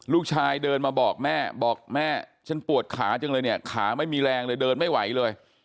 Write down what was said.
ลูกชายเดินมาบอกแม่บอกแม่ฉันปวดขาจังเลยเนี่ยขาไม่มีแรงเลยเดินไม่ไหวเลย